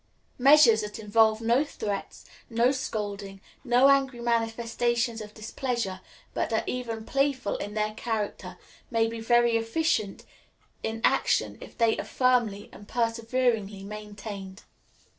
Measures that involve no threats, no scolding, no angry manifestations of displeasure, but are even playful in their character, may be very efficient in action if they are firmly and perseveringly maintained.